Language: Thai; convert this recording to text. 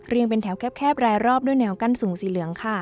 เป็นแถวแคบรายรอบด้วยแนวกั้นสูงสีเหลืองค่ะ